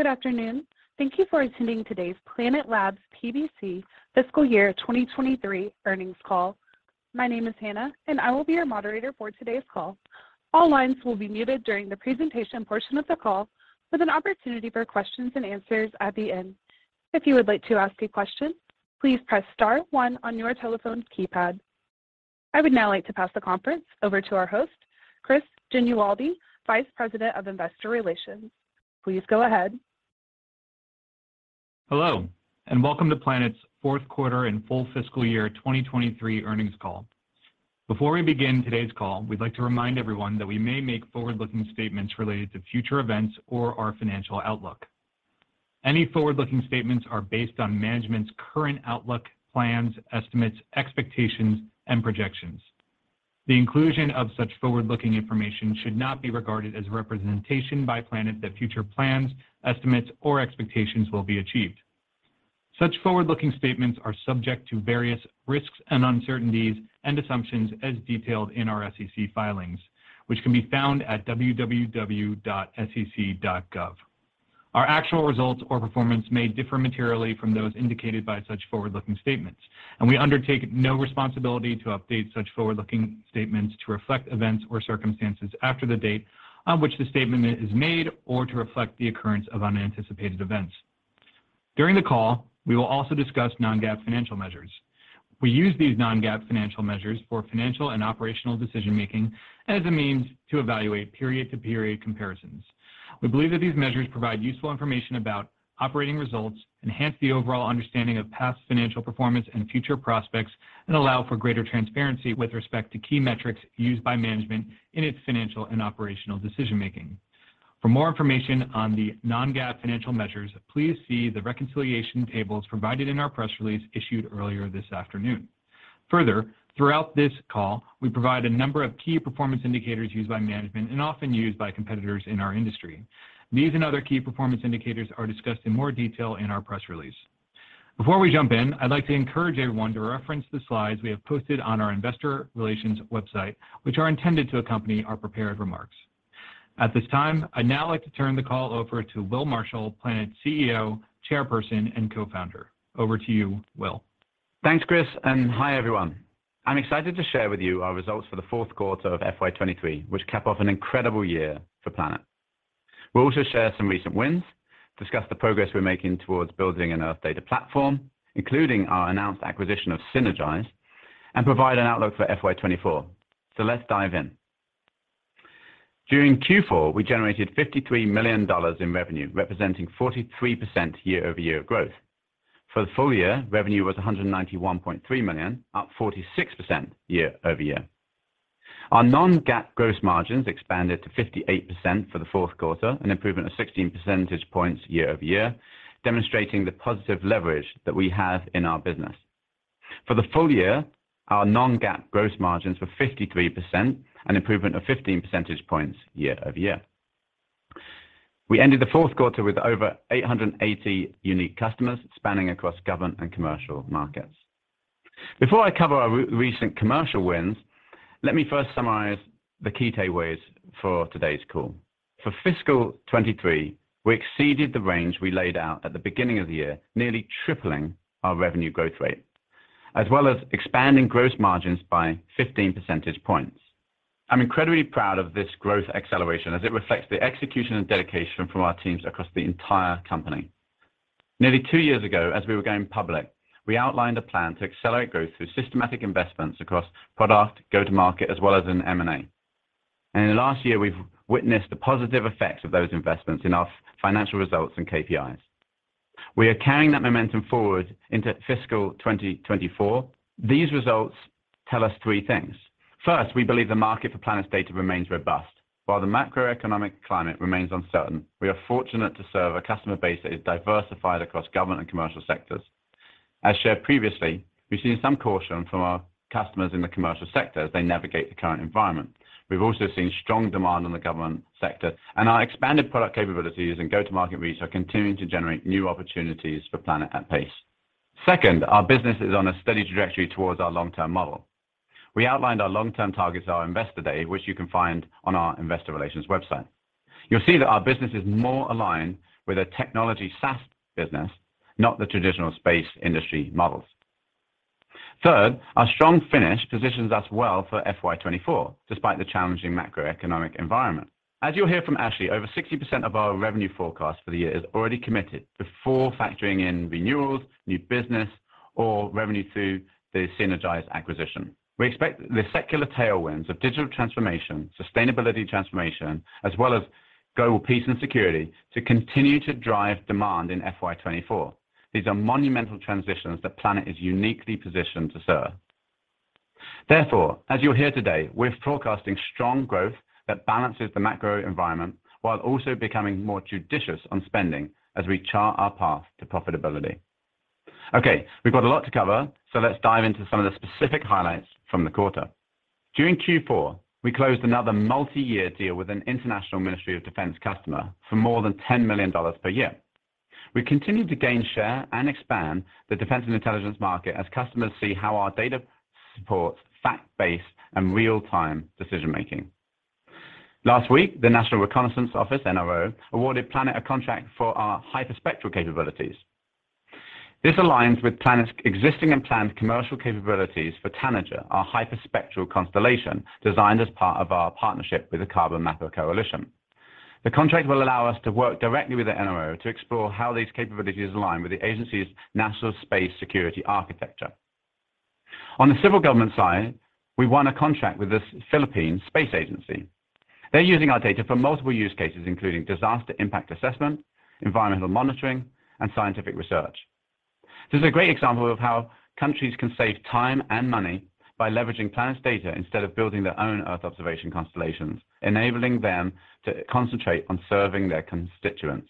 Good afternoon. Thank you for attending today's Planet Labs PBC Fiscal Year 2023 earnings call. My name is Hannah, and I will be your moderator for today's call. All lines will be muted during the presentation portion of the call, with an opportunity for questions and answers at the end. If you would like to ask a question, please press star one on your telephone keypad. I would now like to pass the conference over to our host, Chris Genualdi, Vice President of Investor Relations. Please go ahead. Hello, welcome to Planet's Q4 and full fiscal year 2023 earnings call. Before we begin today's call, we'd like to remind everyone that we may make forward-looking statements related to future events or our financial outlook. Any forward-looking statements are based on management's current outlook, plans, estimates, expectations and projections. The inclusion of such forward-looking information should not be regarded as a representation by Planet that future plans, estimates or expectations will be achieved. Such forward-looking statements are subject to various risks and uncertainties and assumptions as detailed in our SEC filings, which can be found at www.sec.gov. Our actual results or performance may differ materially from those indicated by such forward-looking statements. We undertake no responsibility to update such forward-looking statements to reflect events or circumstances after the date on which the statement is made or to reflect the occurrence of unanticipated events. During the call, we will also discuss non-GAAP financial measures. We use these non-GAAP financial measures for financial and operational decision-making as a means to evaluate period-to-period comparisons. We believe that these measures provide useful information about operating results, enhance the overall understanding of past financial performance and future prospects, and allow for greater transparency with respect to key metrics used by management in its financial and operational decision-making. For more information on the non-GAAP financial measures, please see the reconciliation tables provided in our press release issued earlier this afternoon. Throughout this call, we provide a number of key performance indicators used by management and often used by competitors in our industry. These and other key performance indicators are discussed in more detail in our press release. Before we jump in, I'd like to encourage everyone to reference the slides we have posted on our investor relations website, which are intended to accompany our prepared remarks. At this time, I'd now like to turn the call over to Will Marshall, Planet CEO, Chairperson, and Co-founder. Over to you, Will. Thanks, Chris, and hi, everyone. I'm excited to share with you our results for the Q4 of FY 2023, which cap off an incredible year for Planet. We'll also share some recent wins, discuss the progress we're making towards building an Earth data platform, including our announced acquisition of Sinergise, and provide an outlook for FY 2024. Let's dive in. During Q4, we generated $53 million in revenue, representing 43% year-over-year growth. For the full year, revenue was $191.3 million, up 46% year-over-year. Our non-GAAP gross margins expanded to 58% for the Q4, an improvement of 16 percentage points year-over-year, demonstrating the positive leverage that we have in our business. For the full year, our non-GAAP gross margins were 53%, an improvement of 15 percentage points year-over-year. We ended the Q4 with over 880 unique customers spanning across government and commercial markets. Before I cover our recent commercial wins, let me first summarize the key takeaways for today's call. For fiscal 2023, we exceeded the range we laid out at the beginning of the year, nearly tripling our revenue growth rate, as well as expanding gross margins by 15 percentage points. I'm incredibly proud of this growth acceleration as it reflects the execution and dedication from our teams across the entire company. Nearly two years ago, as we were going public, we outlined a plan to accelerate growth through systematic investments across product, go-to-market, as well as in M&A. In the last year, we've witnessed the positive effects of those investments in our financial results and KPIs. We are carrying that momentum forward into fiscal 2024. These results tell us three things. First, we believe the market for Planet's data remains robust. While the macroeconomic climate remains uncertain, we are fortunate to serve a customer base that is diversified across government and commercial sectors. As shared previously, we've seen some caution from our customers in the commercial sector as they navigate the current environment. We've also seen strong demand in the government sector, and our expanded product capabilities and go-to-market reach are continuing to generate new opportunities for Planet at pace. Second, our business is on a steady trajectory towards our long-term model. We outlined our long-term targets at our Investor Day, which you can find on our investor relations website. You'll see that our business is more aligned with a technology SaaS business, not the traditional space industry models. Third, our strong finish positions us well for FY 2024, despite the challenging macroeconomic environment. As you'll hear from Ashley, over 60% of our revenue forecast for the year is already committed before factoring in renewals, new business or revenue through the Sinergise acquisition. We expect the secular tailwinds of digital transformation, sustainability transformation, as well as global peace and security to continue to drive demand in FY 2024. These are monumental transitions that Planet is uniquely positioned to serve. Therefore, as you'll hear today, we're forecasting strong growth that balances the macro environment while also becoming more judicious on spending as we chart our path to profitability. Okay, we've got a lot to cover, so let's dive into some of the specific highlights from the quarter. During Q4, we closed another multi-year deal with an international ministry of defense customer for more than $10 million per year. We continue to gain, share, and expand the defense and intelligence market as customers see how our data supports fact-based and real-time decision-making. Last week, the National Reconnaissance Office, NRO, awarded Planet a contract for our hyperspectral capabilities. This aligns with Planet's existing and planned commercial capabilities for Tanager, our hyperspectral constellation, designed as part of our partnership with the Carbon Mapper Coalition. The contract will allow us to work directly with the NRO to explore how these capabilities align with the agency's national space security architecture. On the civil government side, we won a contract with the Philippine Space Agency. They're using our data for multiple use cases, including disaster impact assessment, environmental monitoring, and scientific research. This is a great example of how countries can save time and money by leveraging Planet's data instead of building their own Earth observation constellations, enabling them to concentrate on serving their constituents.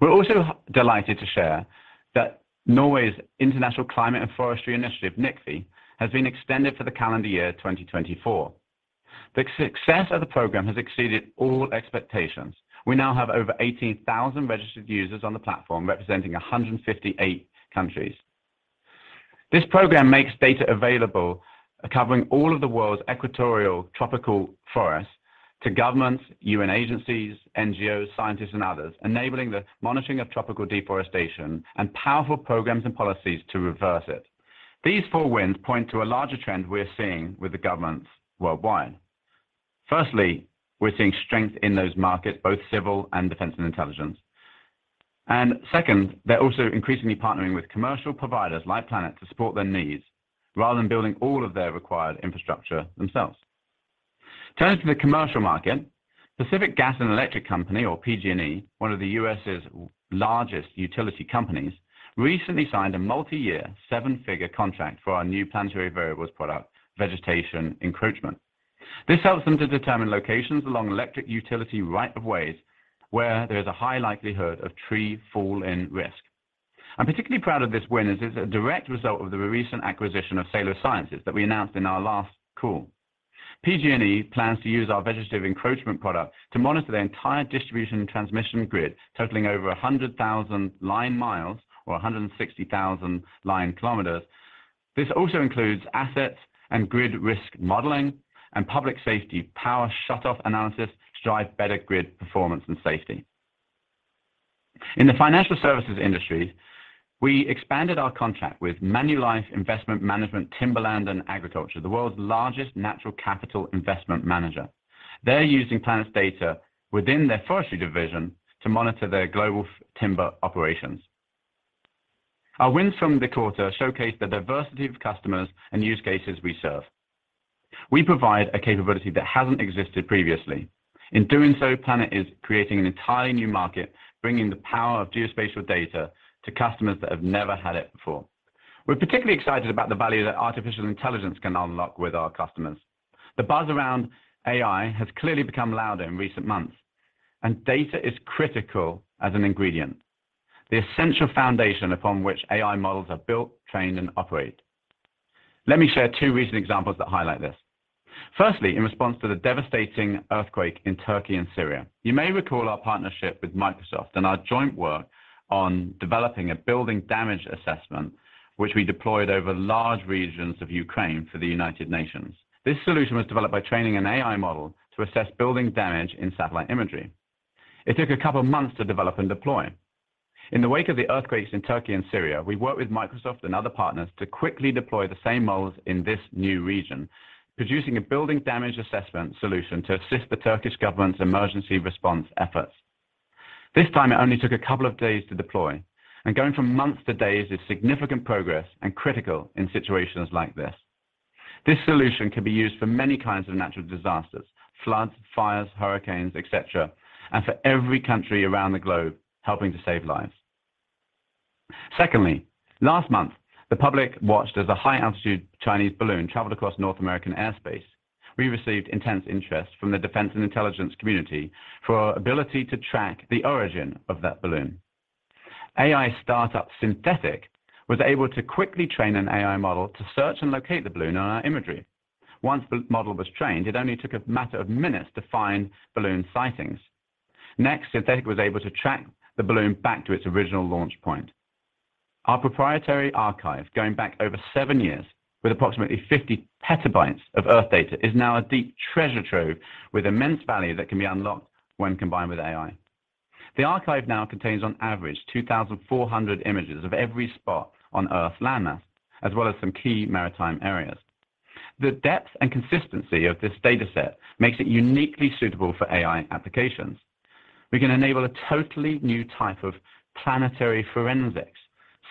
We're also delighted to share that Norway's International Climate and Forest Initiative, NICFI, has been extended for the calendar year 2024. The success of the program has exceeded all expectations. We now have over 18,000 registered users on the platform representing 158 countries. This program makes data available, covering all of the world's equatorial tropical forests to governments, UN agencies, NGOs, scientists, and others, enabling the monitoring of tropical deforestation and powerful programs and policies to reverse it. These four wins point to a larger trend we're seeing with the governments worldwide. Firstly, we're seeing strength in those markets, both civil and defense and intelligence. Second, they're also increasingly partnering with commercial providers like Planet to support their needs rather than building all of their required infrastructure themselves. Turning to the commercial market, Pacific Gas and Electric Company or PG&E, one of the U.S.'s largest utility companies, recently signed a multi-year seven-figure contract for our new Planetary Variables product, Vegetation Encroachment. This helps them to determine locations along electric utility right of ways where there is a high likelihood of tree fall and risk. I'm particularly proud of this win as it's a direct result of the recent acquisition of Salo Sciences that we announced in our last call. PG&E plans to use our vegetative encroachment product to monitor their entire distribution and transmission grid, totaling over 100,000 line miles or 160,000 line kilometers. This also includes assets and grid risk modeling and public safety power shutoff analysis to drive better grid performance and safety. In the financial services industry, we expanded our contract with Manulife Investment Management Timberland and Agriculture, the world's largest natural capital investment manager. They're using Planet's data within their forestry division to monitor their global timber operations. Our wins from the quarter showcase the diversity of customers and use cases we serve. We provide a capability that hasn't existed previously. In doing so, Planet is creating an entirely new market, bringing the power of geospatial data to customers that have never had it before. We're particularly excited about the value that artificial intelligence can unlock with our customers. The buzz around AI has clearly become louder in recent months, and data is critical as an ingredient, the essential foundation upon which AI models are built, trained, and operate. Let me share two recent examples that highlight this. Firstly, in response to the devastating earthquake in Turkey and Syria, you may recall our partnership with Microsoft and our joint work on developing a building damage assessment, which we deployed over large regions of Ukraine for the United Nations. This solution was developed by training an AI model to assess building damage in satellite imagery. It took a couple of months to develop and deploy. In the wake of the earthquakes in Turkey and Syria, we worked with Microsoft and other partners to quickly deploy the same models in this new region, producing a building damage assessment solution to assist the Turkish government's emergency response efforts. This time, it only took a couple of days to deploy, and going from months to days is significant progress and critical in situations like this. This solution can be used for many kinds of natural disasters: floods, fires, hurricanes, etc., and for every country around the globe helping to save lives. Last month, the public watched as a high-altitude Chinese balloon traveled across North American airspace. We received intense interest from the defense and intelligence community for our ability to track the origin of that balloon. AI startup Synthetaic was able to quickly train an AI model to search and locate the balloon on our imagery. Once the model was trained, it only took a matter of minutes to find balloon sightings. Synthetaic was able to track the balloon back to its original launch point. Our proprietary archive, going back over 7 years with approximately 50 petabytes of Earth data, is now a deep treasure trove with immense value that can be unlocked when combined with AI. The archive now contains on average 2,400 images of every spot on Earth landmass, as well as some key maritime areas. The depth and consistency of this data set makes it uniquely suitable for AI applications. We can enable a totally new type of planetary forensics,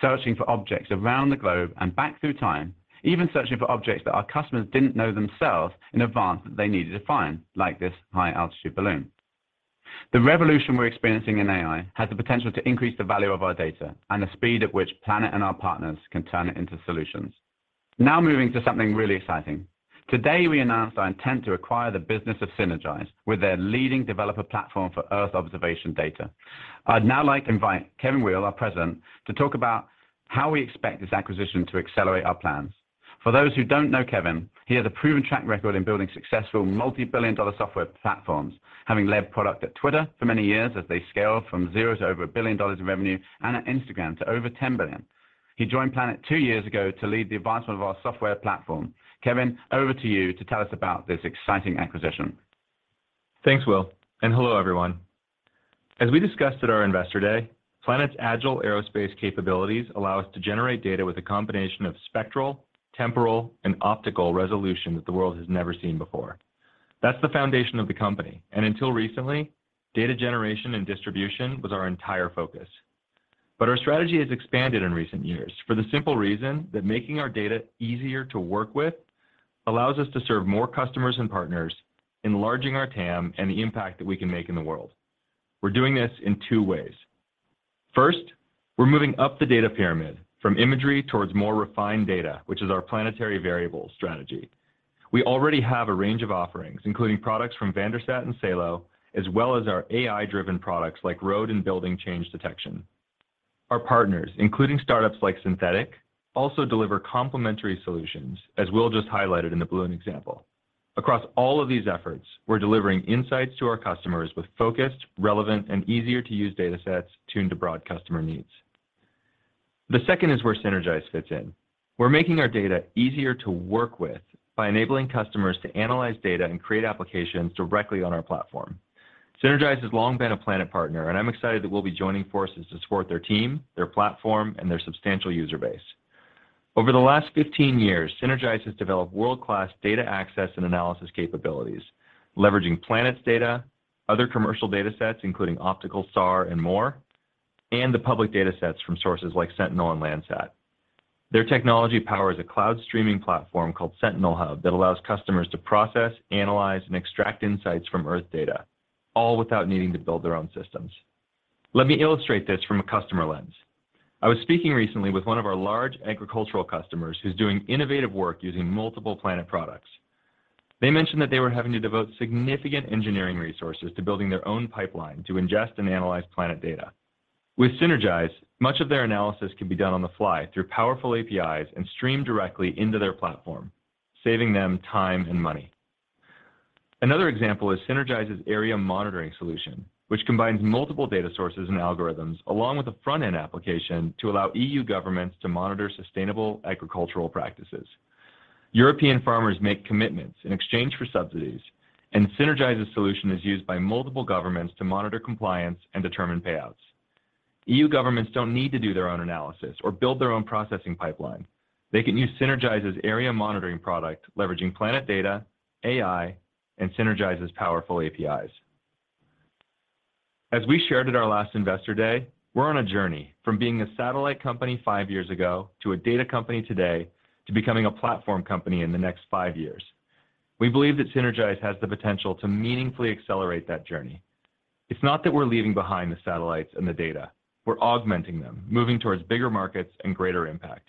searching for objects around the globe and back through time, even searching for objects that our customers didn't know themselves in advance that they needed to find, like this high-altitude balloon. The revolution we're experiencing in AI has the potential to increase the value of our data and the speed at which Planet and our partners can turn it into solutions. Moving to something really exciting. Today, we announced our intent to acquire the business of Sinergise with their leading developer platform for Earth observation data. I'd now like to invite Kevin Weil, our president, to talk about how we expect this acquisition to accelerate our plans. For those who don't know Kevin, he has a proven track record in building successful multi-billion dollar software platforms, having led product at X for many years as they scaled from zero to over $1 billion in revenue and at Instagram to over $10 billion. He joined Planet two years ago to lead the advancement of our software platform. Kevin, over to you to tell us about this exciting acquisition. Thanks, Will, and hello everyone. As we discussed at our Investor Day, Planet's Agile Aerospace capabilities allow us to generate data with a combination of spectral, temporal, and optical resolution that the world has never seen before. That's the foundation of the company, and until recently, data generation and distribution was our entire focus. Our strategy has expanded in recent years for the simple reason that making our data easier to work with allows us to serve more customers and partners, enlarging our TAM and the impact that we can make in the world. We're doing this in two ways. First, we're moving up the data pyramid from imagery towards more refined data, which is our Planetary Variables strategy. We already have a range of offerings, including products from VanderSat and Salo Sciences, as well as our AI-driven products like Road and Building Change Detection. Our partners, including startups like Synthetaic, also deliver complementary solutions, as Will just highlighted in the balloon example. Across all of these efforts, we're delivering insights to our customers with focused, relevant, and easier-to-use data sets tuned to broad customer needs. The second is where Sinergise fits in. We're making our data easier to work with by enabling customers to analyze data and create applications directly on our platform. Sinergise has long been a Planet partner, and I'm excited that we'll be joining forces to support their team, their platform, and their substantial user base. Over the last 15 years, Sinergise has developed world-class data access and analysis capabilities, leveraging Planet's data, other commercial data sets, including optical SAR and more, and the public data sets from sources like Sentinel and Landsat. Their technology powers a cloud streaming platform called Sentinel Hub that allows customers to process, analyze, and extract insights from Earth data, all without needing to build their own systems. Let me illustrate this from a customer lens. I was speaking recently with one of our large agricultural customers who's doing innovative work using multiple Planet products. They mentioned that they were having to devote significant engineering resources to building their own pipeline to ingest and analyze Planet data. With Sinergise, much of their analysis can be done on the fly through powerful APIs and streamed directly into their platform, saving them time and money. Another example is Sinergise's area monitoring solution, which combines multiple data sources and algorithms along with a front-end application to allow EU governments to monitor sustainable agricultural practices. European farmers make commitments in exchange for subsidies. Sinergise's solution is used by multiple governments to monitor compliance and determine payouts. EU governments don't need to do their own analysis or build their own processing pipeline. They can use Sinergise's area monitoring product, leveraging Planet data, AI, and Sinergise's powerful APIs. As we shared at our last Investor Day, we're on a journey from being a satellite company 5 years ago to a data company today to becoming a platform company in the next 5 years. We believe that Sinergise has the potential to meaningfully accelerate that journey. It's not that we're leaving behind the satellites and the data. We're augmenting them, moving towards bigger markets and greater impact.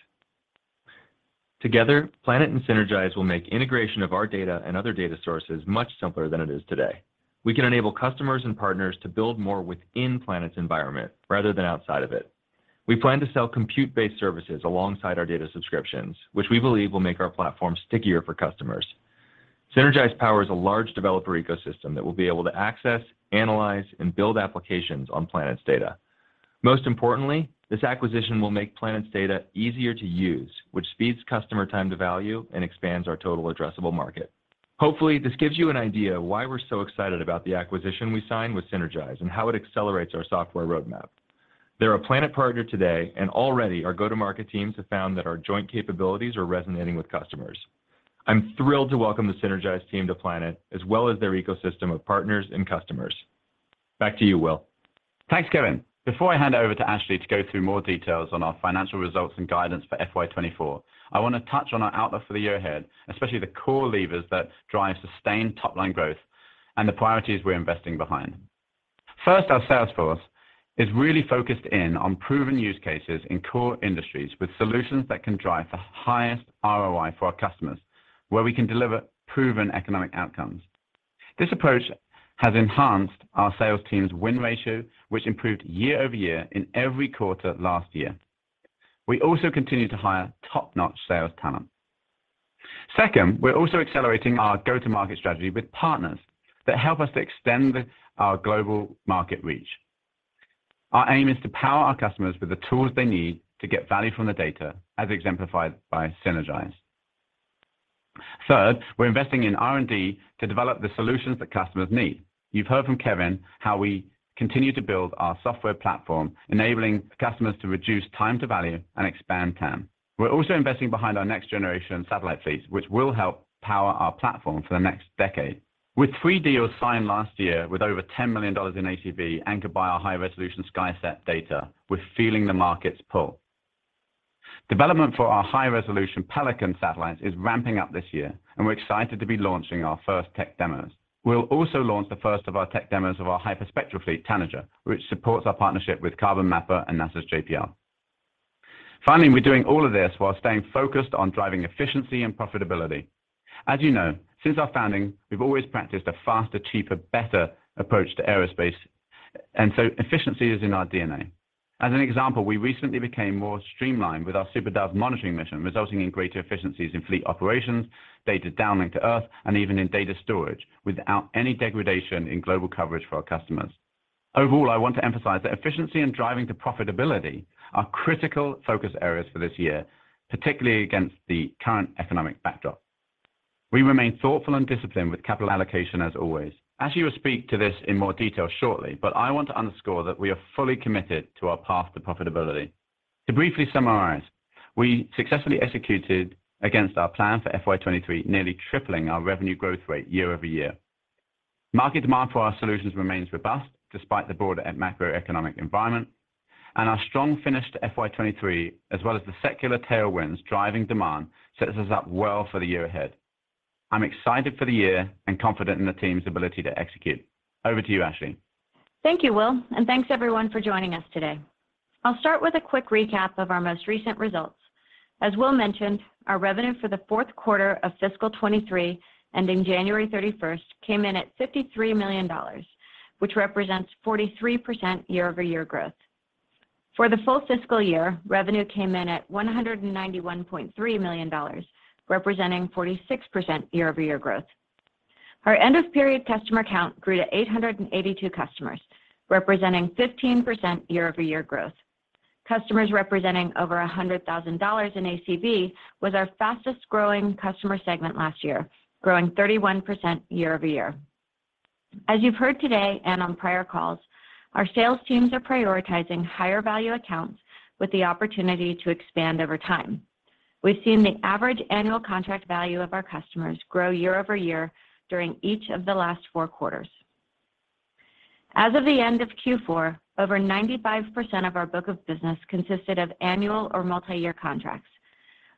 Together, Planet and Sinergise will make integration of our data and other data sources much simpler than it is today. We can enable customers and partners to build more within Planet's environment rather than outside of it. We plan to sell compute-based services alongside our data subscriptions, which we believe will make our platform stickier for customers. Sinergise powers a large developer ecosystem that will be able to access, analyze, and build applications on Planet's data. Most importantly, this acquisition will make Planet's data easier to use, which speeds customer time to value and expands our total addressable market. Hopefully, this gives you an idea why we're so excited about the acquisition we signed with Sinergise and how it accelerates our software roadmap. They're a Planet partner today, and already our go-to-market teams have found that our joint capabilities are resonating with customers. I'm thrilled to welcome the Sinergise team to Planet, as well as their ecosystem of partners and customers. Back to you, Will. Thanks, Kevin. Before I hand over to Ashley to go through more details on our financial results and guidance for FY 2024, I want to touch on our outlook for the year ahead, especially the core levers that drive sustained top-line growth and the priorities we're investing behind. First, our sales force is really focused in on proven use cases in core industries with solutions that can drive the highest ROI for our customers, where we can deliver proven economic outcomes. This approach has enhanced our sales team's win ratio, which improved year-over-year in every quarter last year. We also continue to hire top-notch sales talent. Second, we're also accelerating our go-to-market strategy with partners that help us to extend our global market reach. Our aim is to power our customers with the tools they need to get value from the data, as exemplified by Sinergise. Third, we're investing in R&D to develop the solutions that customers need. You've heard from Kevin how we continue to build our software platform, enabling customers to reduce time to value and expand TAM. We're also investing behind our next-generation satellite fleet, which will help power our platform for the next decade. With three deals signed last year with over $10 million in ACV anchored by our high-resolution SkySat data, we're feeling the market's pull. Development for our high-resolution Pelican satellites is ramping up this year, and we're excited to be launching our first tech demos. We'll also launch the first of our tech demos of our hyperspectral fleet, Tanager, which supports our partnership with Carbon Mapper and NASA's JPL. We're doing all of this while staying focused on driving efficiency and profitability. As since our founding, we've always practiced a faster, cheaper, better approach to aerospace. So efficiency is in our DNA. As an example, we recently became more streamlined with our SuperDove monitoring mission, resulting in greater efficiencies in fleet operations, data downlink to Earth, and even in data storage without any degradation in global coverage for our customers. Overall, I want to emphasize that efficiency and driving to profitability are critical focus areas for this year, particularly against the current economic backdrop. We remain thoughtful and disciplined with capital allocation as always. Ashley will speak to this in more detail shortly. I want to underscore that we are fully committed to our path to profitability. To briefly summarize, we successfully executed against our plan for FY 2023, nearly tripling our revenue growth rate year-over-year. Market demand for our solutions remains robust despite the broader and macroeconomic environment. Our strong finish to FY 23 as well as the secular tailwinds driving demand sets us up well for the year ahead. I'm excited for the year and confident in the team's ability to execute. Over to you, Ashley. Thank you, Will, and thanks everyone for joining us today. I'll start with a quick recap of our most recent results. As Will mentioned, our revenue for the Q4 of fiscal 2023 ending January 31st came in at $53 million, which represents 43% year-over-year growth. For the full fiscal year, revenue came in at $191.3 million, representing 46% year-over-year growth. Our end of period customer count grew to 882 customers, representing 15% year-over-year growth. Customers representing over $100,000 in ACV was our fastest-growing customer segment last year, growing 31% year-over-year. As you've heard today and on prior calls, our sales teams are prioritizing higher value accounts with the opportunity to expand over time. We've seen the average annual contract value of our customers grow year-over-year during each of the last four quarters. As of the end of Q4, over 95% of our book of business consisted of annual or multi-year contracts.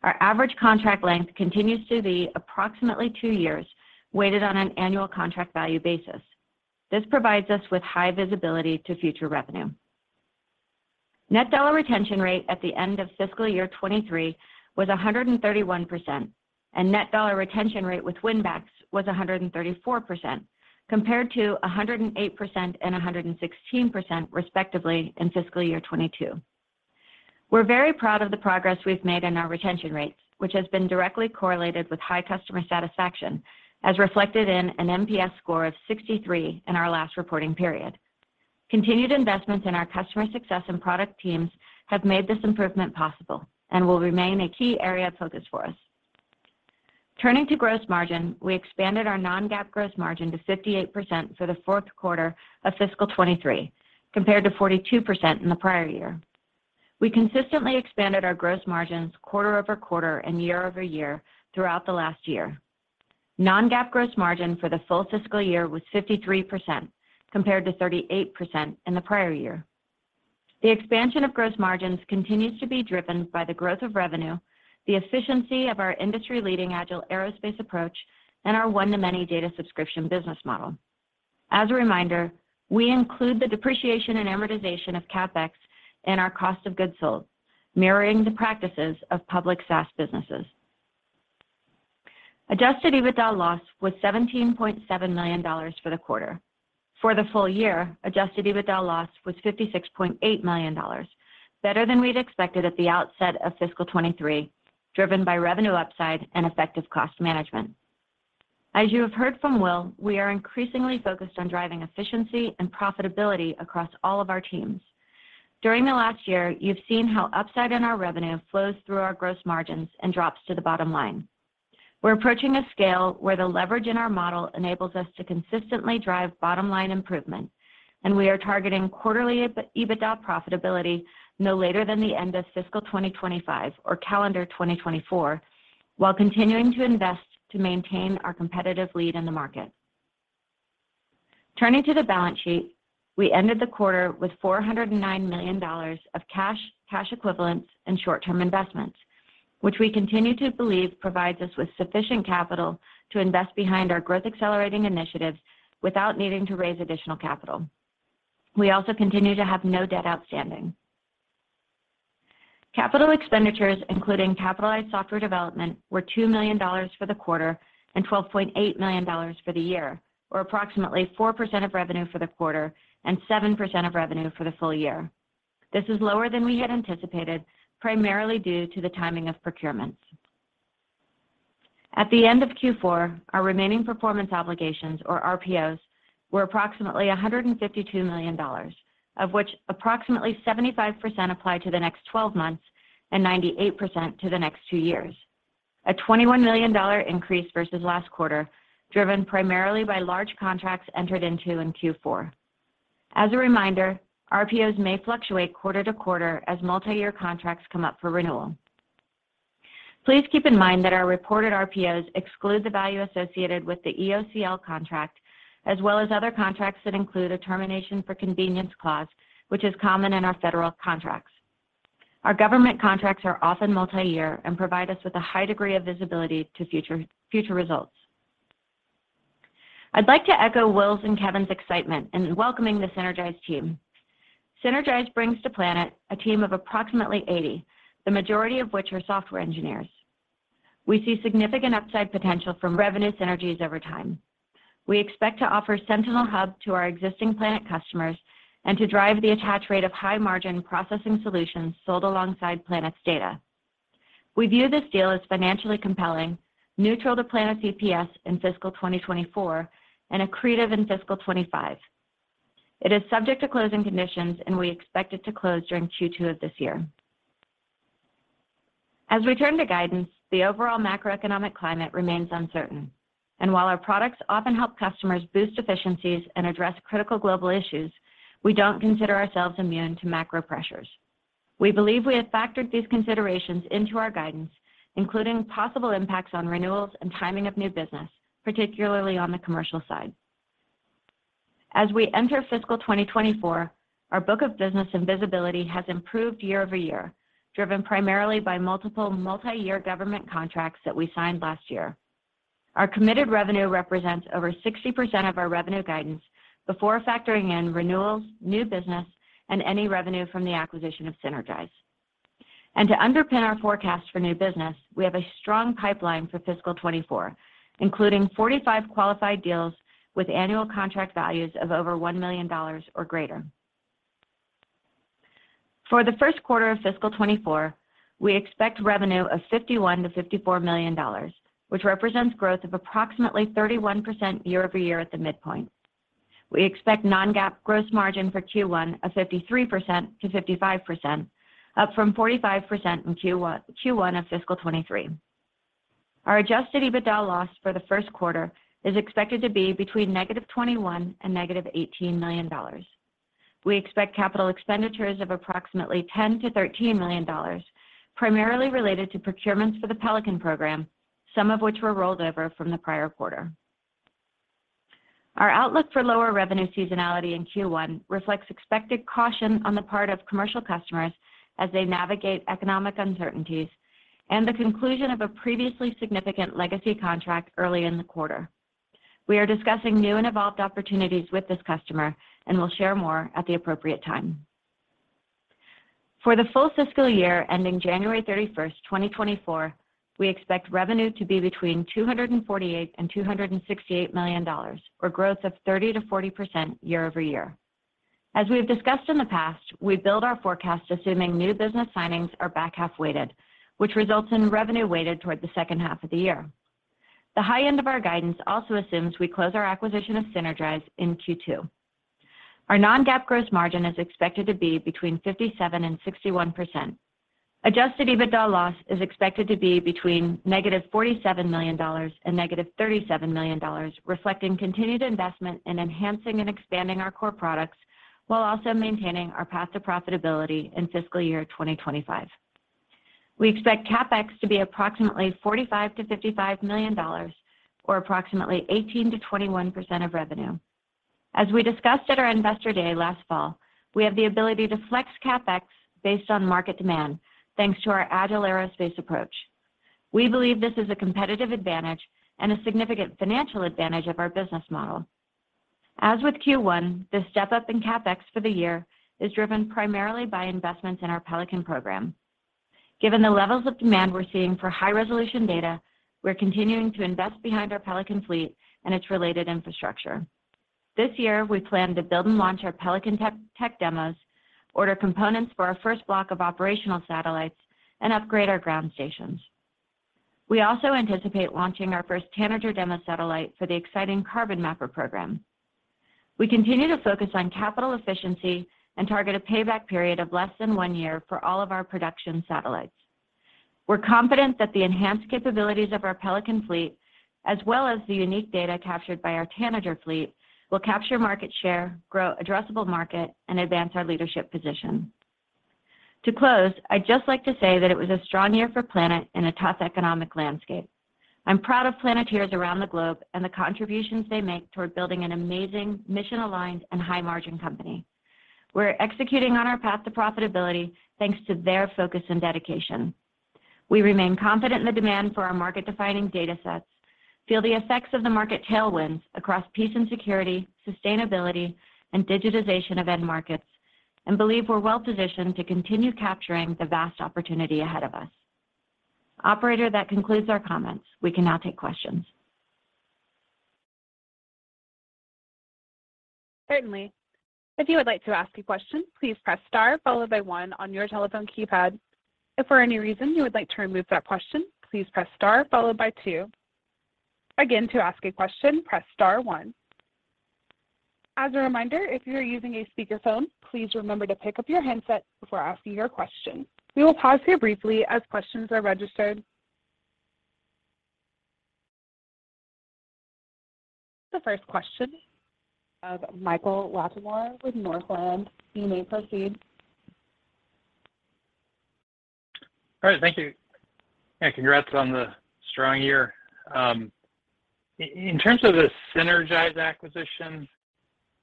Our average contract length continues to be approximately two years, weighted on an annual contract value basis. This provides us with high visibility to future revenue. Net dollar retention rate at the end of fiscal year 2023 was 131%, and net dollar retention rate with win backs was 134%, compared to 108% and 116% respectively in fiscal year 2022. We're very proud of the progress we've made on our retention rates, which has been directly correlated with high customer satisfaction, as reflected in an NPS score of 63 in our last reporting period. Continued investments in our customer success and product teams have made this improvement possible and will remain a key area of focus for us. Turning to gross margin, we expanded our non-GAAP gross margin to 58% for the Q4 of fiscal 2023, compared to 42% in the prior year. We consistently expanded our gross margins quarter-over-quarter and year-over-year throughout the last year. Non-GAAP gross margin for the full fiscal year was 53% compared to 38% in the prior year. The expansion of gross margins continues to be driven by the growth of revenue, the efficiency of our industry-leading Agile Aerospace approach, and our one-to-many data subscription business model. As a reminder, we include the depreciation and amortization of CapEx in our cost of goods sold, mirroring the practices of public SaaS businesses. Adjusted EBITDA loss was $17.7 million for the quarter. For the full year, Adjusted EBITDA loss was $56.8 million. Better than we'd expected at the outset of fiscal 2023, driven by revenue upside and effective cost management. As you have heard from Will, we are increasingly focused on driving efficiency and profitability across all of our teams. During the last year, you've seen how upside in our revenue flows through our gross margins and drops to the bottom line. We're approaching a scale where the leverage in our model enables us to consistently drive bottom-line improvement, and we are targeting quarterly EBITDA profitability no later than the end of fiscal 2025 or calendar 2024, while continuing to invest to maintain our competitive lead in the market. Turning to the balance sheet, we ended the quarter with $409 million of cash equivalents, and short-term investments, which we continue to believe provides us with sufficient capital to invest behind our growth accelerating initiatives without needing to raise additional capital. We also continue to have no debt outstanding. Capital expenditures, including capitalized software development, were $2 million for the quarter and $12.8 million for the year, or approximately 4% of revenue for the quarter and 7% of revenue for the full year. This is lower than we had anticipated, primarily due to the timing of procurements. At the end of Q4, our remaining performance obligations, or RPOs, were approximately $152 million, of which approximately 75% apply to the next 12 months and 98% to the next two years. A $21 million increase versus last quarter, driven primarily by large contracts entered into in Q4. As a reminder, RPOs may fluctuate quarter to quarter as multi-year contracts come up for renewal. Please keep in mind that our reported RPOs exclude the value associated with the EOCL contract, as well as other contracts that include a termination for convenience clause, which is common in our federal contracts. Our government contracts are often multi-year and provide us with a high degree of visibility to future results. I'd like to echo Will's and Kevin's excitement in welcoming the Sinergise team. Sinergise brings to Planet a team of approximately 80, the majority of which are software engineers. We see significant upside potential from revenue synergies over time. We expect to offer Sentinel Hub to our existing Planet customers and to drive the attach rate of high-margin processing solutions sold alongside Planet's data. We view this deal as financially compelling, neutral to Planet's EPS in fiscal 2024, and accretive in fiscal 2025. It is subject to closing conditions, and we expect it to close during Q2 of this year. As we turn to guidance, the overall macroeconomic climate remains uncertain. While our products often help customers boost efficiencies and address critical global issues, we don't consider ourselves immune to macro pressures. We believe we have factored these considerations into our guidance, including possible impacts on renewals and timing of new business, particularly on the commercial side. As we enter fiscal 2024, our book of business and visibility has improved year-over-year, driven primarily by multiple multi-year government contracts that we signed last year. Our committed revenue represents over 60% of our revenue guidance before factoring in renewals, new business, and any revenue from the acquisition of Sinergise. To underpin our forecast for new business, we have a strong pipeline for fiscal 2024, including 45 qualified deals with annual contract values of over $1 million or greater. For the Q1 of fiscal 2024, we expect revenue of $51 million-$54 million, which represents growth of approximately 31% year-over-year at the midpoint. We expect non-GAAP gross margin for Q1 of 53%-55%, up from 45% in Q1 of fiscal 2023. Our adjusted EBITDA loss for the Q1 is expected to be between -$21 million and -$18 million. We expect capital expenditures of approximately $10 million-$13 million, primarily related to procurements for the Pelican program, some of which were rolled over from the prior quarter. Our outlook for lower revenue seasonality in Q1 reflects expected caution on the part of commercial customers as they navigate economic uncertainties and the conclusion of a previously significant legacy contract early in the quarter. We are discussing new and evolved opportunities with this customer and will share more at the appropriate time. For the full fiscal year ending January 31st, 2024, we expect revenue to be between $248 million and $268 million, or growth of 30%-40% year-over-year. As we have discussed in the past, we build our forecast assuming new business signings are back-half weighted, which results in revenue weighted toward the second half of the year. The high end of our guidance also assumes we close our acquisition of Sinergise in Q2. Our non-GAAP gross margin is expected to be between 57% and 61%. Adjusted EBITDA loss is expected to be between negative $47 million and negative $37 million, reflecting continued investment in enhancing and expanding our core products while also maintaining our path to profitability in fiscal year 2025. We expect CapEx to be approximately $45 million-$55 million or approximately 18%-21% of revenue. As we discussed at our Investor Day last fall, we have the ability to flex CapEx based on market demand, thanks to our Agile Aerospace approach. We believe this is a competitive advantage and a significant financial advantage of our business model. As with Q1, the step-up in CapEx for the year is driven primarily by investments in our Pelican program. Given the levels of demand we're seeing for high-resolution data, we're continuing to invest behind our Pelican fleet and its related infrastructure. This year, we plan to build and launch our Pelican tech demos, order components for our first block of operational satellites, and upgrade our ground stations. We also anticipate launching our first Tanager demo satellite for the exciting Carbon Mapper program. We continue to focus on capital efficiency and target a payback period of less than one year for all of our production satellites. We're confident that the enhanced capabilities of our Pelican fleet, as well as the unique data captured by our Tanager fleet, will capture market share, grow addressable market, and advance our leadership position. To close, I'd just like to say that it was a strong year for Planet in a tough economic landscape. I'm proud of Planeteers around the globe and the contributions they make toward building an amazing mission-aligned and high-margin company. We're executing on our path to profitability thanks to their focus and dedication. We remain confident in the demand for our market-defining datasets, feel the effects of the market tailwinds across peace and security, sustainability, and digitization of end markets, and believe we're well positioned to continue capturing the vast opportunity ahead of us. Operator, that concludes our comments. We can now take questions. Certainly. If you would like to ask a question, please press star followed by one on your telephone keypad. If for any reason you would like to remove that question, please press star followed by two. Again, to ask a question, press star one. As a reminder, if you are using a speakerphone, please remember to pick up your handset before asking your question. We will pause here briefly as questions are registered. The first question of Michael Latimore with Northland. You may proceed. All right. Thank you. congratulations on the strong year. In terms of the Sinergise acquisition,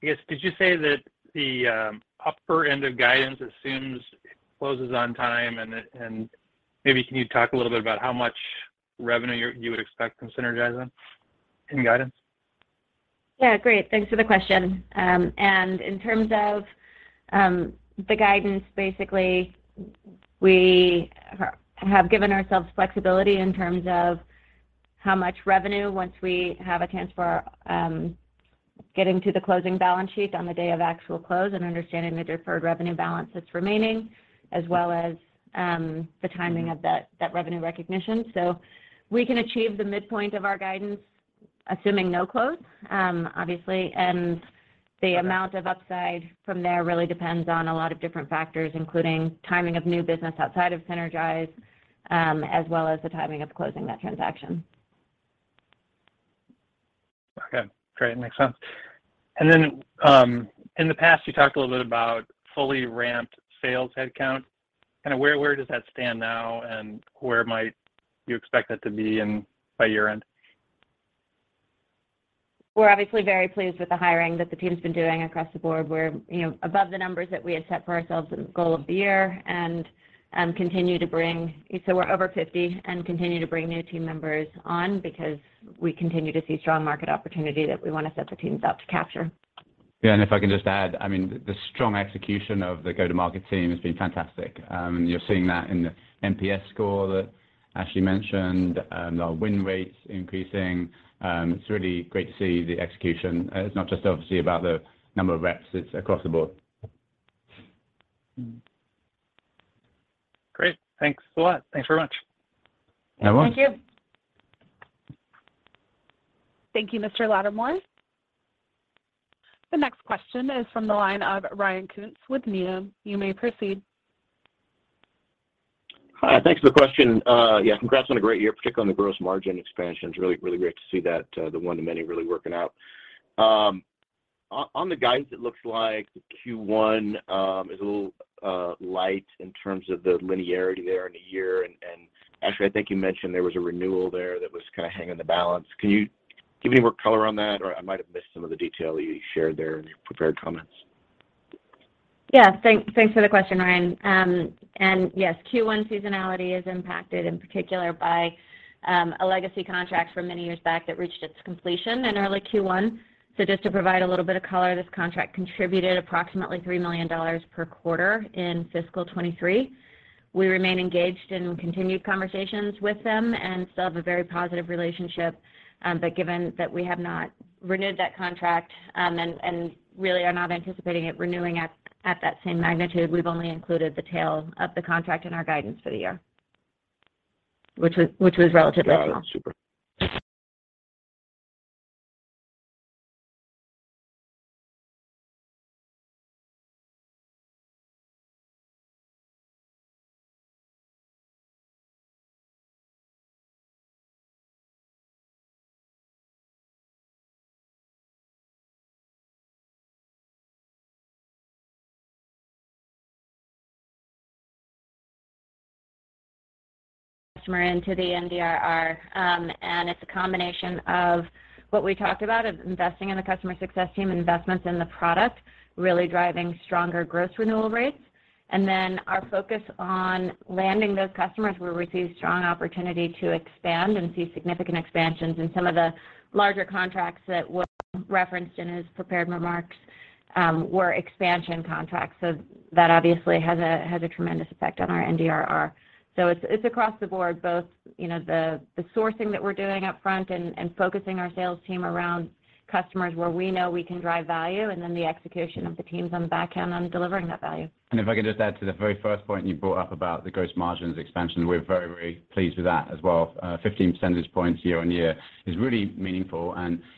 I guess, did you say that the upper end of guidance assumes it closes on time? Maybe can you talk a little bit about how much revenue you would expect from Sinergise in guidance? Great. Thanks for the question. In terms of the guidance, basically we have given ourselves flexibility in terms of how much revenue once we have a chance for getting to the closing balance sheet on the day of actual close and understanding the deferred revenue balance that's remaining, as well as the timing of that revenue recognition. We can achieve the midpoint of our guidance, assuming no close, obviously. The amount of upside from there really depends on a lot of different factors, including timing of new business outside of Sinergise, as well as the timing of closing that transaction. Okay, great. Makes sense. In the past, you talked a little bit about fully ramped sales headcount. Kind of where does that stand now, and where might you expect that to be by year-end? We're obviously very pleased with the hiring that the team's been doing across the board. We're above the numbers that we had set for ourselves as a goal of the year. We're over 50 and continue to bring new team members on because we continue to see strong market opportunity that we want to set the teams up to capture. If I can just add, the strong execution of the go-to-market team has been fantastic. You're seeing that in the NPS score that Ashley mentioned, our win rates increasing. It's really great to see the execution. It's not just obviously about the number of reps, it's across the board. Great. Thanks a lot. Thanks very much. No problem. Thank you. Thank you, Mr. Latimore. The next question is from the line of Ryan Koontz with Needham. You may proceed. Hi, thanks for the question. congratulations on a great year, particularly on the gross margin expansion. It's really great to see that the one to many really working out. On the guidance, it looks like Q1 is a little light in terms of the linearity there in the year. Ashley, you mentioned there was a renewal there that was kind of hanging in the balance. Can you give any more color on that? I might have missed some of the detail you shared there in your prepared comments. Thanks for the question, Ryan. Yes, Q1 seasonality is impacted in particular by a legacy contract from many years back that reached its completion in early Q1. Just to provide a little bit of color, this contract contributed approximately $3 million per quarter in fiscal 2023. We remain engaged in continued conversations with them and still have a very positive relationship, given that we have not renewed that contract, and really are not anticipating it renewing at that same magnitude, we've only included the tail of the contract in our guidance for the year, which was relatively small. Got it. Super. Customer into the NDRR. It's a combination of what we talked about, investing in the customer success team, investments in the product, really driving stronger gross renewal rates. Then our focus on landing those customers, we receive strong opportunity to expand and see significant expansions. Some of the larger contracts that were referenced in his prepared remarks, were expansion contracts. That obviously has a tremendous effect on our NDRR. It's across the board both, you know, the sourcing that we're doing up front and focusing our sales team around customers where we know we can drive value, and then the execution of the teams on the back end on delivering that value. If I could just add to the very first point you brought up about the gross margins expansion. We're very pleased with that as well. 15 percentage points year-on-year is really meaningful.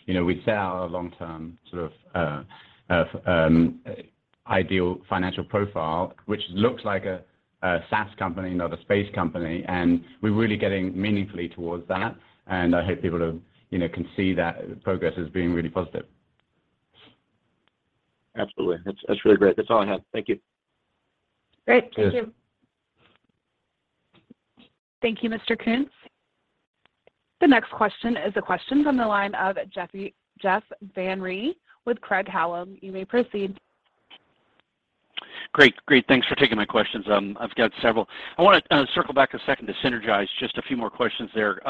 we set our long-term sort of, ideal financial profile, which looks like a SaaS company, not a space company, and we're really getting meaningfully towards that. I hope people have can see that progress as being really positive. Absolutely. That's really great. That's all I have. Thank you. Great. Thank you. Cheers. Thank you, Mr. Koontz. The next question is a question from the line of Jeff Van Rhee with Craig-Hallum. You may proceed. Great. Thanks for taking my questions. I've got several. I wanna circle back a second to Sinergise, just a few more questions there.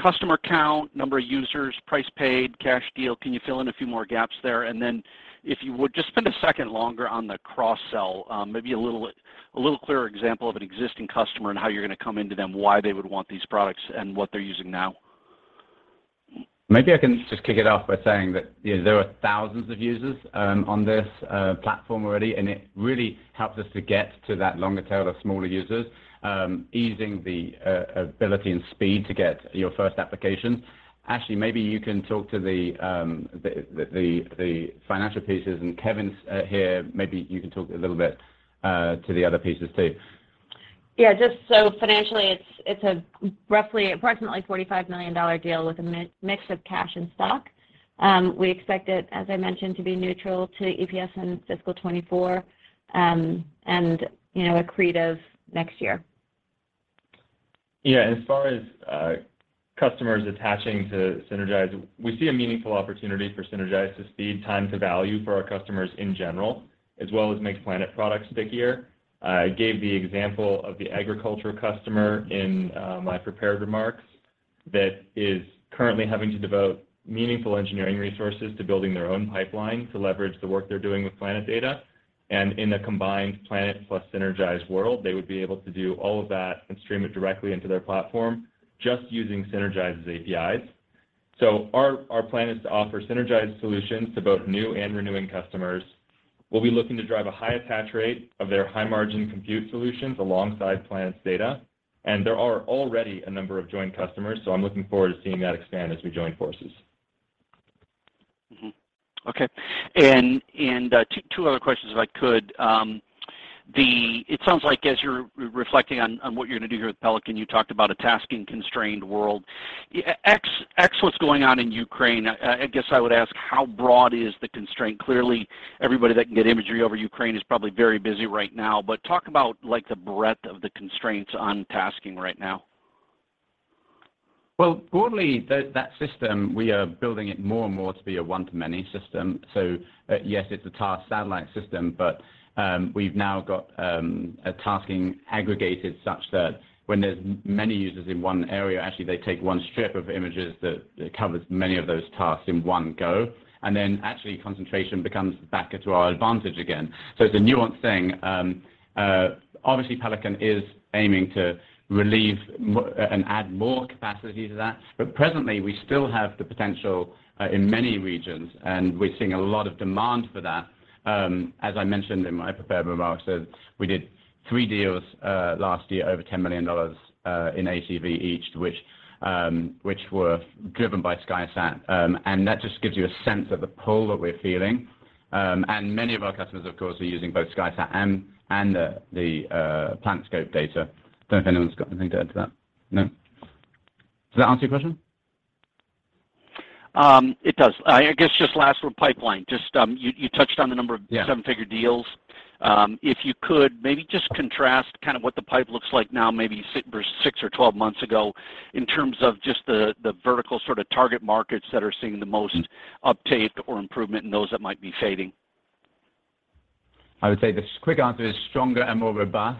Customer count, number of users, price paid, cash deal, can you fill in a few more gaps there? Then if you would, just spend a second longer on the cross-sell, maybe a little clearer example of an existing customer and how you're gonna come into them, why they would want these products, and what they're using now. Maybe I can just kick it off by saying that, you know, there are thousands of users on this platform already, and it really helps us to get to that longer tail of smaller users, easing the ability and speed to get your first application. Ashley, maybe you can talk to the financial pieces. Kevin's here, maybe you can talk a little bit to the other pieces too. Just financially it's a roughly approximately $45 million deal with a mix of cash and stock. We expect it, as I mentioned, to be neutral to EPS in fiscal 2024, and, you know, accretive next year. As far as customers attaching to Sinergise, we see a meaningful opportunity for Sinergise to speed time to value for our customers in general, as well as make Planet products stickier. I gave the example of the agriculture customer in my prepared remarks. That is currently having to devote meaningful engineering resources to building their own pipeline to leverage the work they're doing with Planet data. In a combined Planet plus Sinergise world, they would be able to do all of that and stream it directly into their platform just using Sinergise APIs. Our plan is to offer Sinergise solutions to both new and renewing customers. We'll be looking to drive a high attach rate of their high-margin compute solutions alongside Planet's data. There are already a number of joint customers. I'm looking forward to seeing that expand as we join forces. Okay. two other questions, if I could. It sounds like as you're reflecting on what you're gonna do here with Pelican, you talked about a tasking constrained world. What's going on in Ukraine, I guess I would ask, how broad is the constraint? Clearly, everybody that can get imagery over Ukraine is probably very busy right now. Talk about, like, the breadth of the constraints on tasking right now. Broadly, that system, we are building it more and more to be a one-to-many system. Yes, it's a task satellite system, but we've now got a tasking aggregated such that when there's many users in one area, actually, they take one strip of images that covers many of those tasks in one go, actually concentration becomes back into our advantage again. It's a nuanced thing. Obviously Pelican is aiming to relieve and add more capacity to that. Presently, we still have the potential in many regions, and we're seeing a lot of demand for that. As I mentioned in my prepared remarks, we did 3 deals last year, over $10 million in ACV each, which were driven by SkySat. That just gives you a sense of the pull that we're feeling. Many of our customers, of course, are using both SkySat and the PlanetScope data. Don't know if anyone's got anything to add to that. No? Does that answer your question? It does. I guess just last with pipeline. Just, you touched on the number of. Yeah. Seven figure deals. If you could, maybe just contrast kind of what the pipe looks like now, maybe 6 or 12 months ago in terms of just the vertical sort of target markets that are seeing the most uptake or improvement and those that might be fading. I would say the quick answer is stronger and more robust,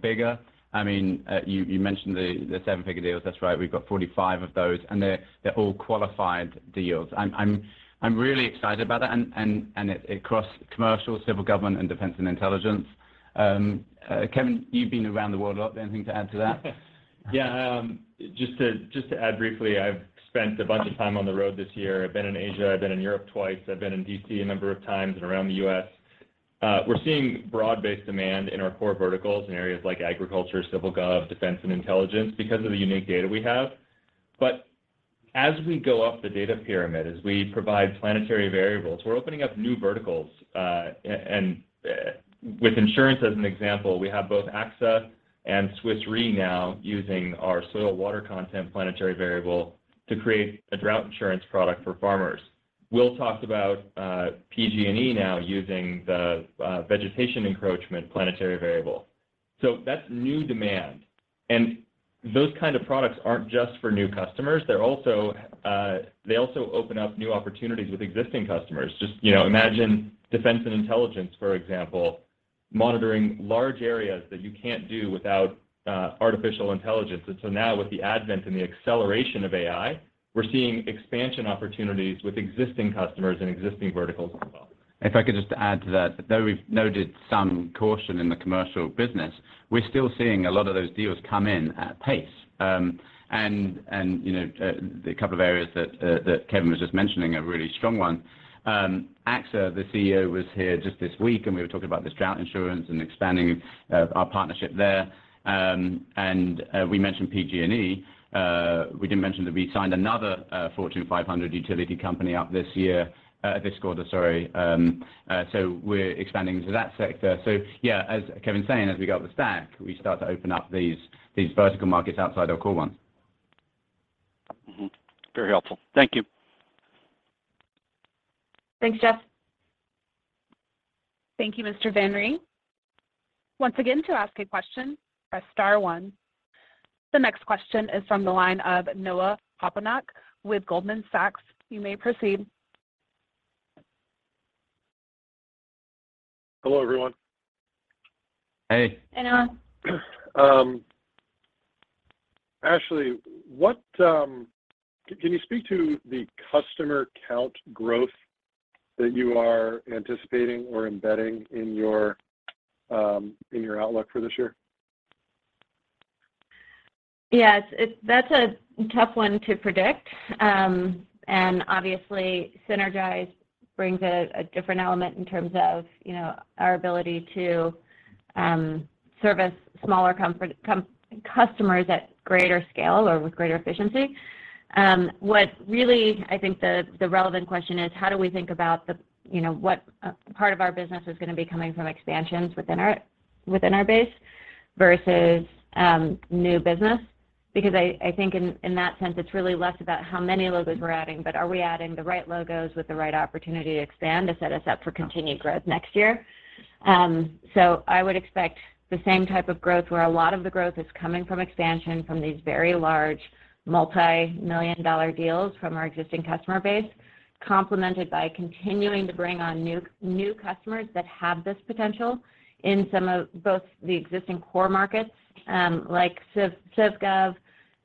bigger. I mean, you mentioned the 7-figure deals. That's right. We've got 45 of those, and they're all qualified deals. I'm really excited about that and it cross commercial, civil government, and defense and intelligence. Kevin, you've been around the world a lot. Anything to add to that? Just to add briefly, I've spent a bunch of time on the road this year. I've been in Asia. I've been in Europe twice. I've been in D.C. a number of times and around the U.S. We're seeing broad-based demand in our core verticals in areas like agriculture, civil gov, defense and intelligence because of the unique data we have. As we go up the data pyramid, as we provide Planetary Variables, we're opening up new verticals, and with insurance as an example, we have both AXA and Swiss Re now using our Soil Water Content Planetary Variable to create a drought insurance product for farmers. Will talked about PG&E now using the Vegetation Encroachment Planetary Variable. That's new demand. Those kind of products aren't just for new customers. They're also, they also open up new opportunities with existing customers. Just imagine defense and intelligence, for example, monitoring large areas that you can't do without, artificial intelligence. Now with the advent and the acceleration of AI, we're seeing expansion opportunities with existing customers and existing verticals as well. If I could just add to that, though we've noted some caution in the commercial business, we're still seeing a lot of those deals come in at pace. You know, the couple of areas that Kevin was just mentioning are really strong one. AXA, the CEO, was here just this week, and we were talking about this drought insurance and expanding our partnership there. We mentioned PG&E. We didn't mention that we signed another Fortune 500 utility company out this year, this quarter, sorry. We're expanding into that sector. As Kevin's saying, as we go up the stack, we start to open up these vertical markets outside our core ones. Mm-hmm. Very helpful. Thank you. Thanks, Jeff. Thank you, Mr. Van Rhee. Once again, to ask a question, press star one. The next question is from the line of Noah Poponak with Goldman Sachs. You may proceed. Hello, everyone. Hey. Hey, Noah. Ashley, what, can you speak to the customer count growth that you are anticipating or embedding in your in your outlook for this year? Yes. That's a tough one to predict. Obviously Sinergise brings a different element in terms of, you know, our ability to service smaller customers at greater scale or with greater efficiency. What really I think the relevant question is how do we think about the, you know, what part of our business is gonna be coming from expansions within our, within our base versus new business? I think in that sense it's really less about how many logos we're adding, but are we adding the right logos with the right opportunity to expand to set us up for continued growth next year? I would expect the same type of growth where a lot of the growth is coming from expansion from these very large multi-million dollar deals from our existing customer base, complemented by continuing to bring on new customers that have this potential in some of both the existing core markets, like civ gov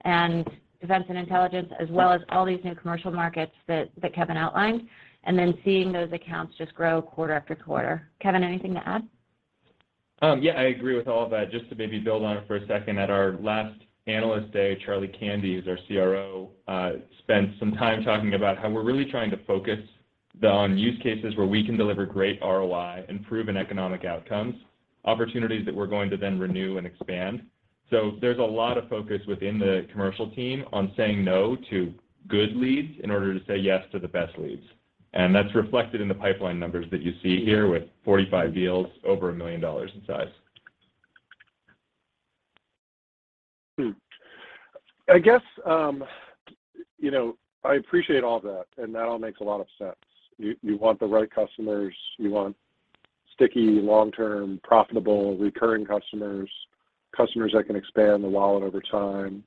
and defense and intelligence, as well as all these new commercial markets that Kevin outlined, and then seeing those accounts just grow quarter after quarter. Kevin, anything to add? I agree with all that. Just to maybe build on it for a second. At our last Analyst Day, Charlie Candy, who's our CRO, spent some time talking about how we're really trying to focus on use cases where we can deliver great ROI and proven economic outcomes, opportunities that we're going to then renew and expand. There's a lot of focus within the commercial team on saying no to good leads in order to say yes to the best leads. That's reflected in the pipeline numbers that you see here with 45 deals over $1 million in size. I guess, I appreciate all that, and that all makes a lot of sense. You want the right customers. You want sticky, long-term, profitable, recurring customers that can expand the wallet over time.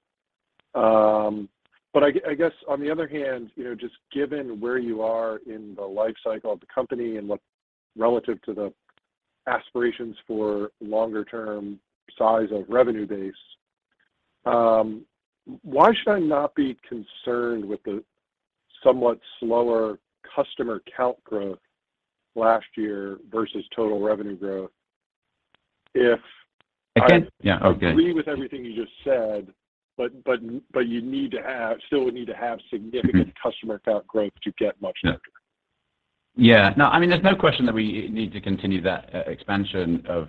I guess on the other hand, you know, just given where you are in the life cycle of the company relative to the aspirations for longer term size of revenue base, why should I not be concerned with the somewhat slower customer count growth last year versus total revenue growth I can, Okay. Agree with everything you just said, but you need to have, still would need to have significant customer count growth to get much better. Yeah. No, I mean, there's no question that we need to continue that e-expansion of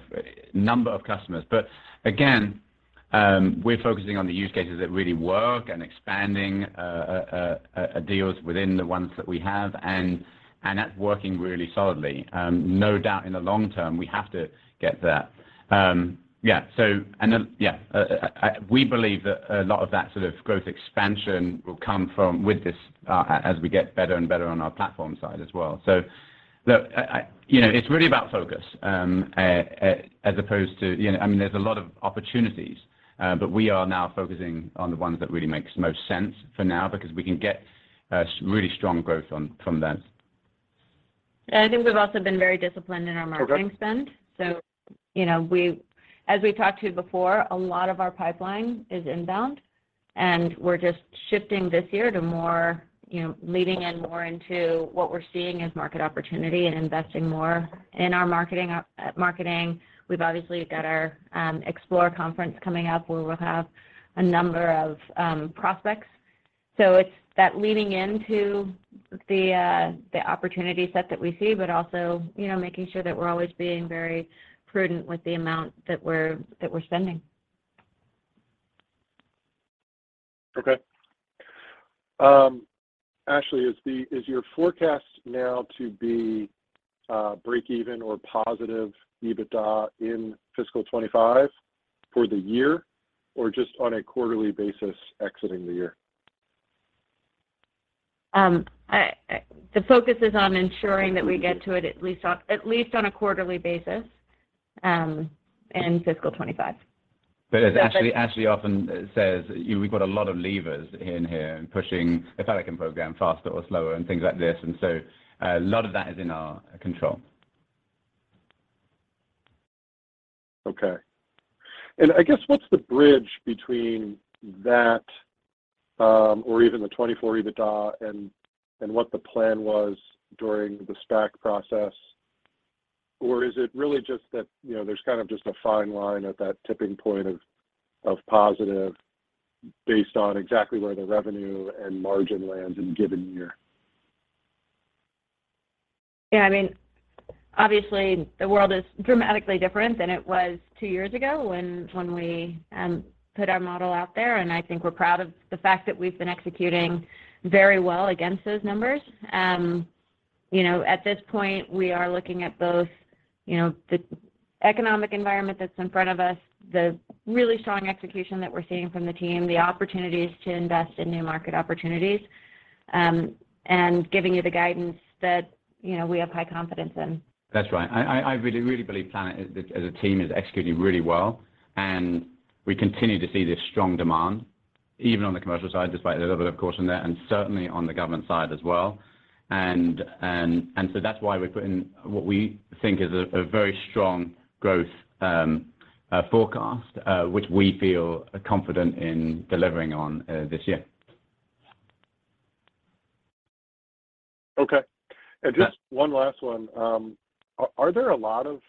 number of customers. Again, we're focusing on the use cases that really work and expanding deals within the ones that we have and that's working really solidly. No doubt in the long term, we have to get there. We believe that a lot of that sort of growth expansion will come from with this, as we get better and better on our platform side as well. Look, it's really about focus, as opposed to, you know, I mean, there's a lot of opportunities, but we are now focusing on the ones that really makes the most sense for now because we can get really strong growth on, from them. I think we've also been very disciplined in our marketing spend. Okay. As we talked to before, a lot of our pipeline is inbound, and we're just shifting this year to more, you know, leaning in more into what we're seeing as market opportunity and investing more in our marketing. We've obviously got our Explore conference coming up, where we'll have a number of prospects. It's that leaning into the opportunity set that we see, but also, you know, making sure that we're always being very prudent with the amount that we're spending. Okay. Ashley, is your forecast now to be break even or positive EBITDA in fiscal 25 for the year, or just on a quarterly basis exiting the year? The focus is on ensuring that we get to it at least on a quarterly basis in fiscal 25. As Ashley often says, we've got a lot of levers in here and pushing a telecom program faster or slower and things like this. A lot of that is in our control. I guess what's the bridge between that, or even the 2024 EBITDA and what the plan was during the stack process? Is it really just that, you know, there's kind of just a fine line at that tipping point of positive based on exactly where the revenue and margin lands in a given year? Obviously the world is dramatically different than it was two years ago when we put our model out there, and I think we're proud of the fact that we've been executing very well against those numbers. You know, at this point, we are looking at both, you know, the economic environment that's in front of us, the really strong execution that we're seeing from the team, the opportunities to invest in new market opportunities, and giving you the guidance that, you know, we have high confidence in. That's right. I really believe Planet as a team is executing really well, and we continue to see this strong demand even on the commercial side, despite the deliver, of course, on that, and certainly on the government side as well. So that's why we're putting what we think is a very strong growth forecast which we feel confident in delivering on this year. Okay. Yeah. Just one last one. Are there a lot of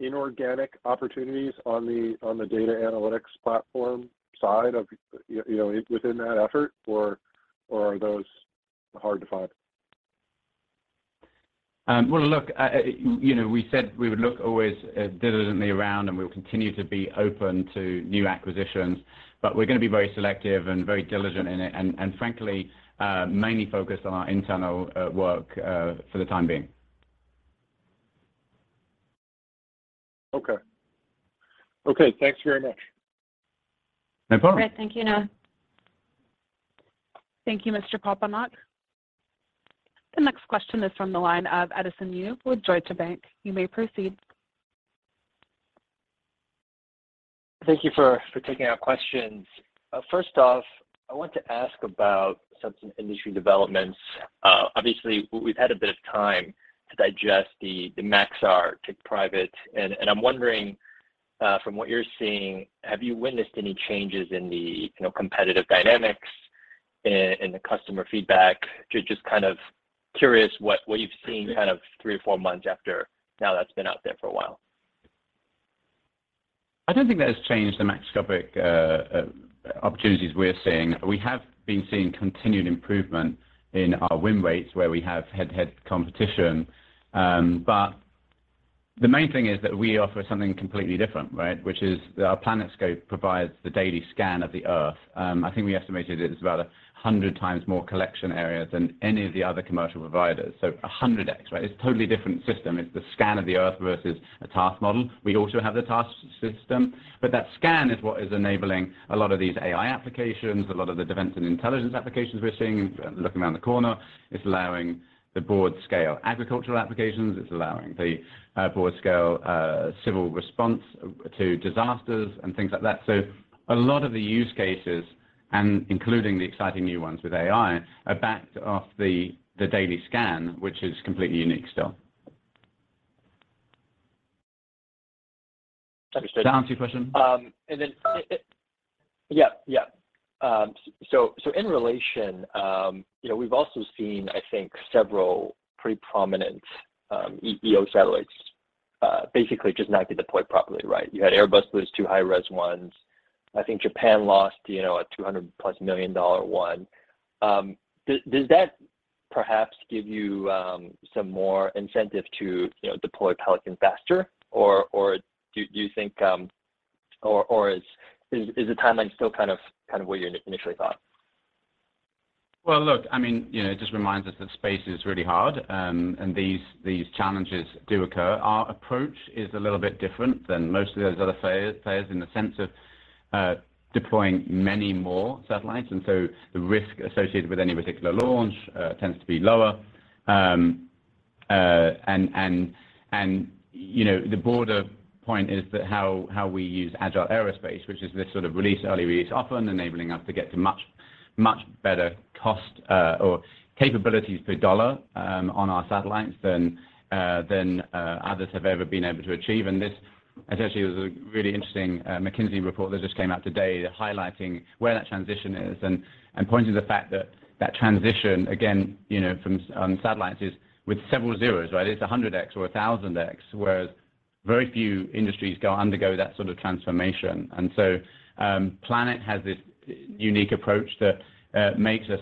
inorganic opportunities on the data analytics platform side of, you know, within that effort or are those hard to find? Well, look, we said we would look always, diligently around, and we'll continue to be open to new acquisitions, but we're gonna be very selective and very diligent in it and frankly, mainly focused on our internal, work, for the time being. Okay. thanks very much. No problem. Great. Thank you, Noah. Thank you, Mr. Poponak. The next question is from the line of Edison Yu with Deutsche Bank. You may proceed. Thank you for taking our questions. First off, I want to ask about some industry developments. Obviously, we've had a bit of time to digest the Maxar take private. I'm wondering, from what you're seeing, have you witnessed any changes in the, you know, competitive dynamics in the customer feedback? Just kind of curious what you've seen kind of three or four months after now that's been out there for a while. I don't think that has changed the macroscopic opportunities we're seeing. We have been seeing continued improvement in our win rates where we have head-to-head competition. The main thing is that we offer something completely different, right? Which is our PlanetScope provides the daily scan of the Earth. I think we estimated it as about 100 times more collection area than any of the other commercial providers. 100x, right? It's a totally different system. It's the scan of the Earth versus a task model. We also have the task system, but that scan is what is enabling a lot of these AI applications, a lot of the defense and intelligence applications we're seeing looking around the corner. It's allowing the broad scale agricultural applications. It's allowing the broad scale civil response to disasters and things like that. A lot of the use cases, and including the exciting new ones with AI, are backed off the daily scan, which is completely unique still. Understood. Did that answer your question? So in relation, you know, we've also seen, I think, several pretty prominent EO satellites, basically just not get deployed properly, right? You had Airbus lose two high res ones. I think Japan lost, you know, a $200+ million one. Does that perhaps give you some more incentive to, you know, deploy Pelican faster? Or do you think, or is the timeline still kind of where you initially thought? Well, look, I mean, you know, it just reminds us that space is really hard. These, these challenges do occur. Our approach is a little bit different than most of those other players in the sense of deploying many more satellites. So the risk associated with any particular launch tends to be lower. You know, the broader point is that how we use Agile Aerospace, which is this sort of early release offer, enabling us to get to much, much better cost or capabilities per dollar on our satellites than others have ever been able to achieve. I thought this was a really interesting McKinsey report that just came out today highlighting where that transition is and pointing to the fact that that transition, again, you know, on satellites is with several zeros, right. It's 100x or 1,000x, whereas very few industries go undergo that sort of transformation. Planet has this unique approach that makes us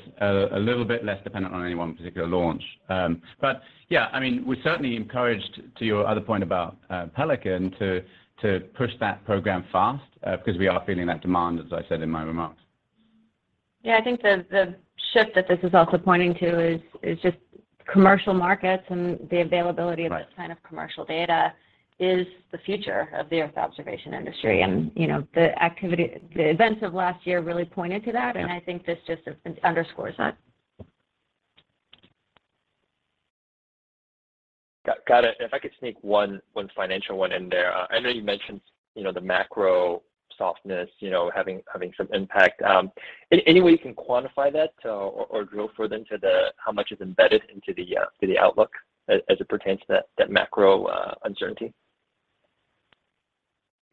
a little bit less dependent on any one particular launch. Yeah, I mean, we're certainly encouraged to your other point about Pelican to push that program fast because we are feeling that demand, as I said in my remarks. Yeah. I think the shift that this is also pointing to is just commercial markets and the availability. Right. of that kind of commercial data is the future of the Earth observation industry. You know, the activity, the events of last year really pointed to that. Yeah. I think this just underscores that. Got it. If I could sneak one financial one in there. I know you mentioned, you know, the macro softness, you know, having some impact. Any way you can quantify that to or drill further into how much is embedded into the outlook as it pertains to that macro uncertainty?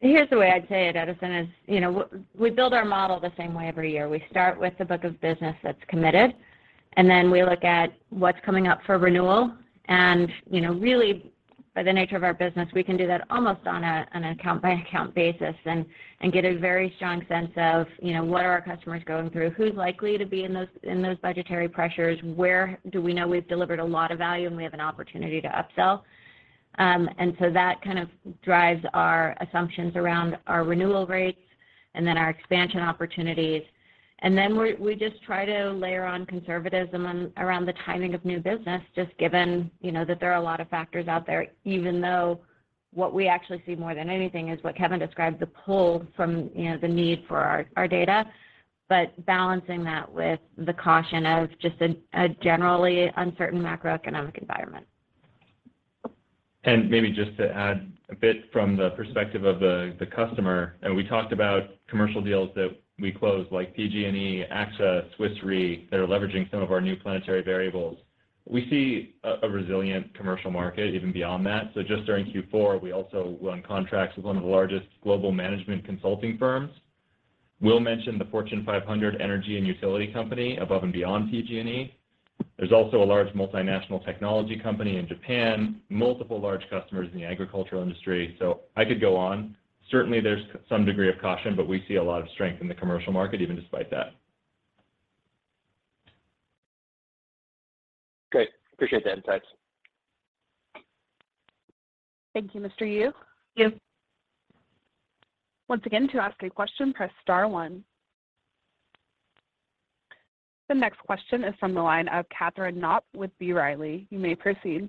Here's the way I'd say it, Edison, is, you know, we build our model the same way every year. We start with the book of business that's committed, and then we look at what's coming up for renewal. You know, really by the nature of our business, we can do that almost on a, an account by account basis and get a very strong sense of, you know, what are our customers going through, who's likely to be in those budgetary pressures, where do we know we've delivered a lot of value and we have an opportunity to upsell. That kind of drives our assumptions around our renewal rates and then our expansion opportunities. We just try to layer on conservatism on around the timing of new business, just given, you know, that there are a lot of factors out there, even though what we actually see more than anything is what Kevin described, the pull from, you know, the need for our data. Balancing that with the caution of just a generally uncertain macroeconomic environment. Maybe just to add a bit from the perspective of the customer, we talked about commercial deals that we closed, like PG&E, AXA, Swiss Re, that are leveraging some of our new Planetary Variables. We see a resilient commercial market even beyond that. Just during Q4, we also won contracts with one of the largest global management consulting firms. Will mentioned the Fortune 500 energy and utility company above and beyond PG&E. There's also a large multinational technology company in Japan, multiple large customers in the agricultural industry, so I could go on. Certainly there's some degree of caution, we see a lot of strength in the commercial market even despite that. Great. Appreciate the insights. Thank you, Mr. Yu. Thank you. Once again, to ask a question, press star one. The next question is from the line of Katherine Knop with B. Riley. You may proceed.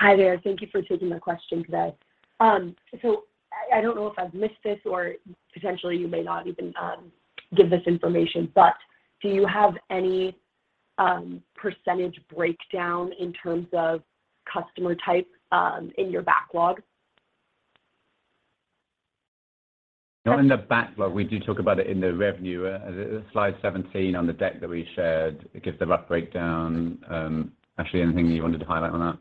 Hi there. Thank you for taking the questions today. I don't know if I've missed this or potentially you may not even give this information, but do you have any percentage breakdown in terms of customer type in your backlog? Not in the backlog. We do talk about it in the revenue. slide 17 on the deck that we shared, it gives the rough breakdown. Ashley, anything you wanted to highlight on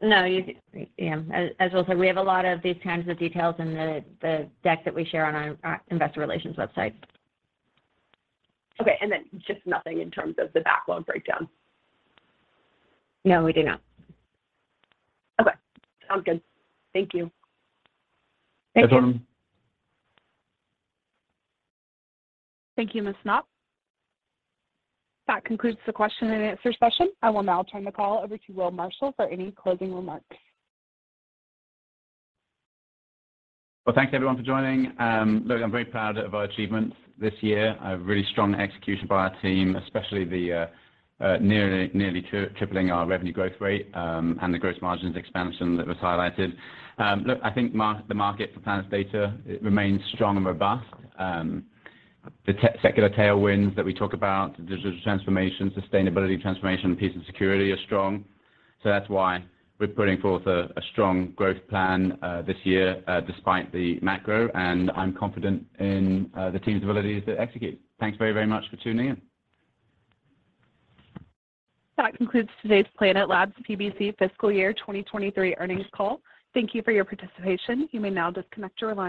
that? As Will said, we have a lot of these kinds of details in the deck that we share on our investor relations website. Okay. Then just nothing in terms of the backlog breakdown? No, we do not. Okay. Sounds good. Thank you. Thank you. Katherine? Thank you, Ms. Knop. That concludes the question and answer session. I will now turn the call over to Will Marshall for any closing remarks. Well, thank you everyone for joining. Look, I'm very proud of our achievements this year. A really strong execution by our team, especially the nearly tripling our revenue growth rate, and the gross margins expansion that was highlighted. Look, I think the market for Planet's data remains strong and robust. The secular tailwinds that we talk about, digital transformation, sustainability transformation, peace and security are strong. That's why we're putting forth a strong growth plan this year, despite the macro, and I'm confident in the team's ability to execute. Thanks very much for tuning in. That concludes today's Planet Labs PBC Fiscal Year 2023 earnings call. Thank you for your participation. You may now disconnect your line.